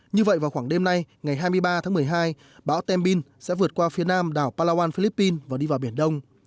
như vậy vào khoảng đêm nay ngày hai mươi ba tháng một mươi hai bão tem bin sẽ vượt qua phía nam đảo palawan philippines và đi vào biển đông